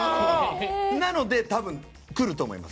なので多分、これは来ると思います。